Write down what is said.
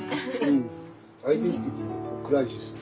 うんアイデンティティーのクライシスだね。